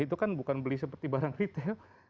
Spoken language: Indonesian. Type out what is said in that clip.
itu kan bukan beli seperti barang retail